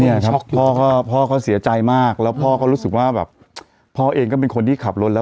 เนี่ยครับพ่อก็พ่อเขาเสียใจมากแล้วพ่อก็รู้สึกว่าแบบพ่อเองก็เป็นคนที่ขับรถแล้ว